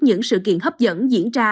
những sự kiện hấp dẫn diễn ra